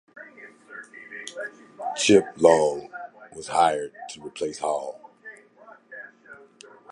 Chip Long was hired to replace Hall.